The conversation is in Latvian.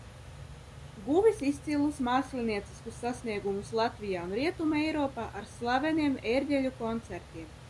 Guvis izcilus mākslinieciskus sasniegumus Latvijā un Rietumeiropā ar slaveniem ērģeļu koncertiem.